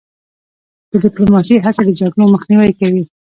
د ډیپلوماسی هڅې د جګړو مخنیوی کوي.